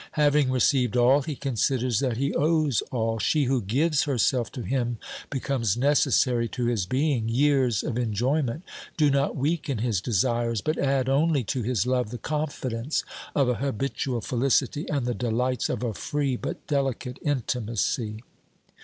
Having received all, he considers that he owes all ; she who gives herself to him becomes necessary to his being; years of enjoyment do not weaken his desires, but add only to his love the confidence of a habitual felicity and the delights of a free but delicate intimacy.